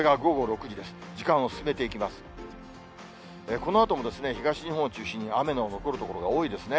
このあとも東日本を中心に、雨の残る所が多いですね。